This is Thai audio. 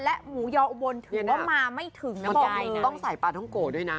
และหมูยออุบลถือว่ามาไม่ถึงนะบอกต้องใส่ปลาท้องโกะด้วยนะ